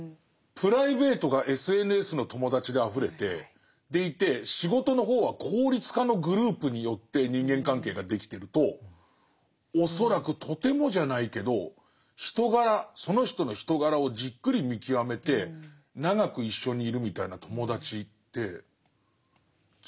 プライベートがＳＮＳの友達であふれてでいて仕事の方は効率化のグループによって人間関係ができてると恐らくとてもじゃないけど人柄その人の人柄をじっくり見極めて長く一緒にいるみたいな友達ってつくれない。